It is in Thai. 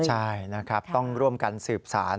ใช่นะครับต้องร่วมกันสืบสาร